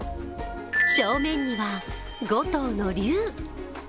正面には５頭の龍。